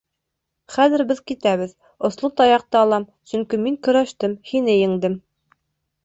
Хәҙер беҙ китәбеҙ, осло таяҡты алам, сөнки мин көрәштем, һине еңдем.